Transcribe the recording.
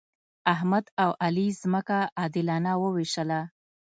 احمد او علي ځمکه عادلانه وویشله.